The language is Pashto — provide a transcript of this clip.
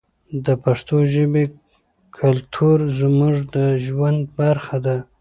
د پښتو ژبې کلتور زموږ د ژوند برخه ده.